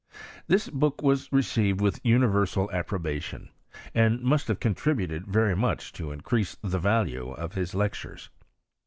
Thaa book was received with universal approbation, and must have contributed very much to increase the value of his lectures.